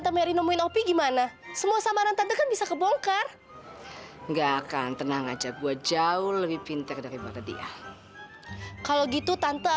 sampai jumpa di video selanjutnya